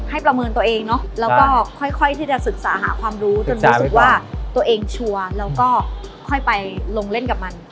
ประเมินตัวเองเนาะแล้วก็ค่อยที่จะศึกษาหาความรู้จนรู้สึกว่าตัวเองชัวร์แล้วก็ค่อยไปลงเล่นกับมัน